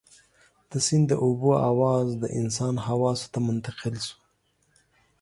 د سيند د اوبو اواز د انسان حواسو ته منتقل شو.